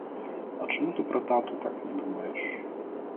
А чаму ты пра тату так не думаеш?